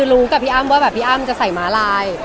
รู้ว่าพี่อ้ามจะใส่ม้าลาย